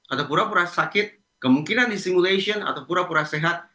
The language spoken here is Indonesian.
atau pura pura sakit kemungkinan isimulation atau pura pura sehat